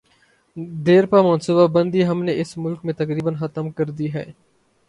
دیرپا منصوبہ بندی ہم نے اس ملک میں تقریبا ختم کر دی ہے۔